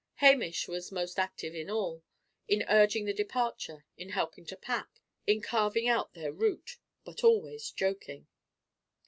Hamish was most active in all in urging the departure, in helping to pack, in carving out their route: but always joking.